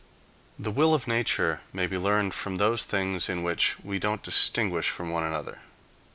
The will of nature may be learned from those things in which we don't distinguish from each other.